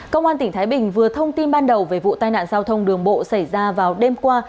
công an tỉnh thái bình vừa thông tin ban đầu về vụ tai nạn giao thông đường bộ xảy ra vào đêm qua